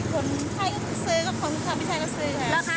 ขายคนใครก็ซื้อคนกัมพูชาก็ซื้อค่ะ